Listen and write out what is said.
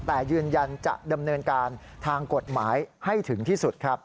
แต่ยืนยันจะดำเนินการทางกฎหมายให้ถึงที่สุดครับ